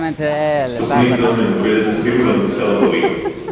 תוכנית זו מנוגדת אפילו למוסר הבריא